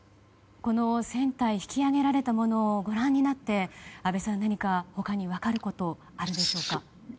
この船体引き揚げられたものをご覧になって安倍さん、何か他に分かることはあるでしょうか。